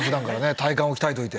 体幹を鍛えといて。